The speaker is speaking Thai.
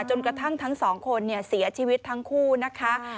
กระทั่งทั้งสองคนเสียชีวิตทั้งคู่นะคะ